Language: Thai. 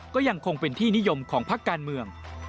ก็ยังคงเป็นที่นิยมของพักการเมือง